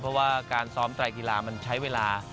เพราะว่าการซ้อมไตรกีฬามันใช้เวลา